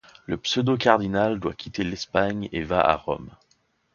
Le pseudo-cardinal doit quitter l'Espagne et va à Rome.